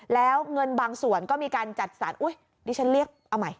แล้วเงินบางส่วนก็มีการจัดสรรอุ๊ยดิฉันเรียกเอาใหม่